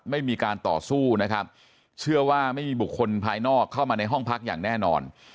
ไม่มีการต่อสู้นะครับเชื่อว่าไม่มีบุคคลภายนอกเข้ามาในห้องพักอย่างแน่นอน